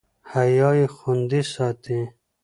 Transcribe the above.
حیا یې خوندي ساتي.